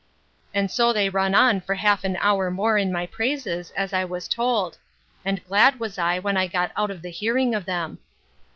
And so they run on for half an hour more in my praises, as I was told; and glad was I, when I got out of the hearing of them.